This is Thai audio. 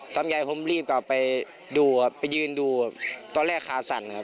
ก็จัดการไปดูครับตอนแรกค้าสั่น